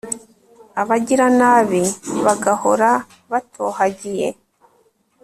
abagiranabi bagahora batohagiye